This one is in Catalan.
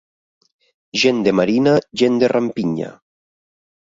Gent de marina, gent de rampinya.